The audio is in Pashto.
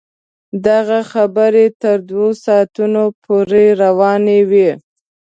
دغه خبرې تر دوه ساعتونو پورې روانې وې.